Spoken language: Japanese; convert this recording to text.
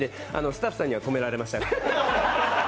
スタッフさんには止められましたが。